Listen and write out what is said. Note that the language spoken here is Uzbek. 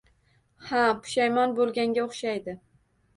Ha, pushaymon bo‘lganga o‘xshaydi.